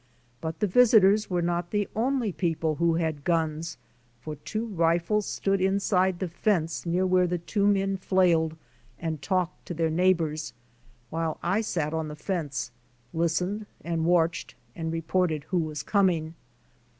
But the visitors were not the only people who had guns for two rifles stood inside the fence near where the two men flailed and talked to their neighbors while I sat on the fence, listened and watched and reported who was coming.